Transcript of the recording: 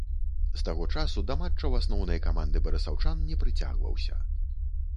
З таго часу да матчаў асноўнай каманды барысаўчан не прыцягваўся.